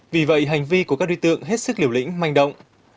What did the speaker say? vì vậy hành vi của các đối tượng hết sức liều lĩnh manh động